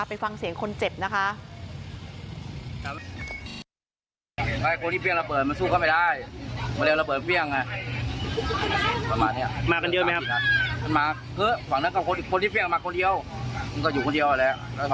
ไปฟังเสียงคนเจ็บนะคะ